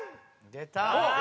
出た！